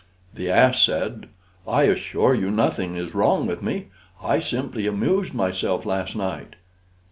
The ass said, "I assure you nothing is wrong with me; I simply amused myself last night."